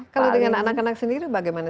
kalau dengan anak anak sendiri bagaimana